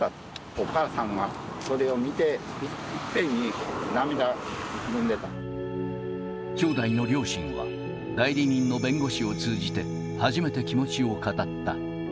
お母さんはそれを見て、兄弟の両親は、代理人の弁護士を通じて、初めて気持ちを語った。